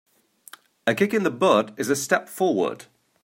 A kick in the butt is a step forward.